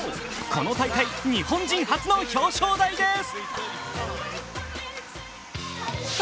この大会、日本人初の表彰台です。